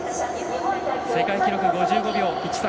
世界記録５５秒１３。